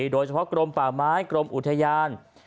โดยเฉพาะกรมป่าไม้กรมอุทยาน